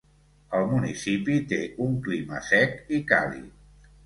El municipi té un clima sec i càlid.